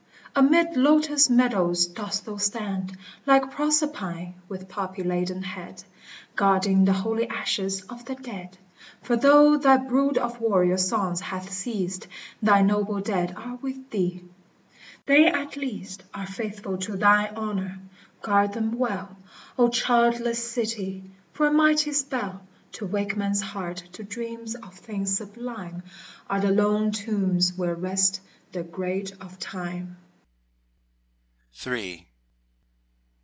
amid lotus meadows dost thou stand, Like Proserpine, with poppy laden head, Guarding the holy ashes of the dead. For though thy brood of warrior sons hath ceased, Thy noble dead are with thee !— they at least Are faithful to thine honour :— guard them well, O childless city ! for a mighty spell, To wake men's hearts to dreams of things sublime, Are the lone tombs where rest the Great of Time.